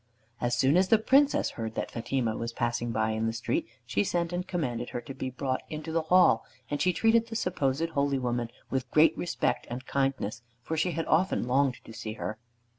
As soon as the Princess heard that Fatima was passing by in the street, she sent and commanded her to be brought into the hall, and she treated the supposed holy woman with great respect and kindness, for she had often longed to see her.